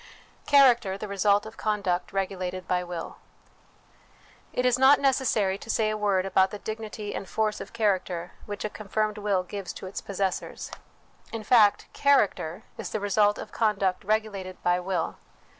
Character the Result of Conduct regulated by Will. It is not necessary to say a word about the dignity and force of character which a confirmed will gives to its possessors. In fact, character is the result of conduct regulated by will.